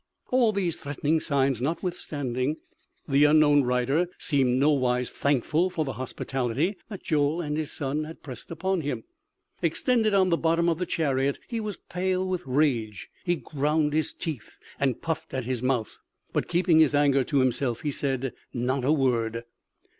All these threatening signs notwithstanding, the unknown rider seemed nowise thankful for the hospitality that Joel and his son had pressed upon him. Extended on the bottom of the chariot he was pale with rage. He ground his teeth and puffed at his mouth. But keeping his anger to himself he said not a word.